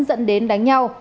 dẫn đến đánh nhau